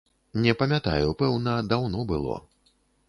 Не памятаю, пэўна, даўно было.